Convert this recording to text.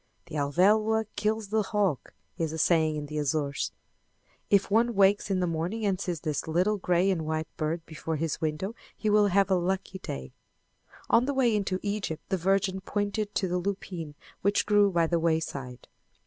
"The Alvéloa kills the hawk," is a saying in the Azores. If one wakes in the morning and sees this little gray and white bird before his window he will have a lucky day. On the way into Egypt the Virgin pointed to the lupine which grew by the wayside.